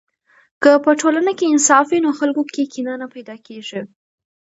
که په ټولنه کې انصاف وي، نو خلکو کې کینه نه پیدا کیږي.